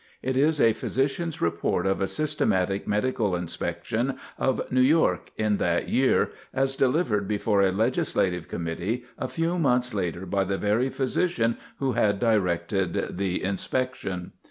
It is a physician's report of a systematic medical inspection of New York in that year, as delivered before a Legislative Committee a few months later by the very physician who had directed the inspection.